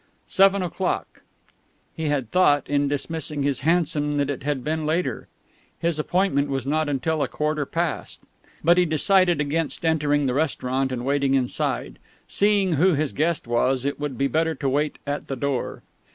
Seven o'clock. He had thought, in dismissing his hansom, that it had been later. His appointment was not until a quarter past. But he decided against entering the restaurant and waiting inside; seeing who his guest was, it would be better to wait at the door.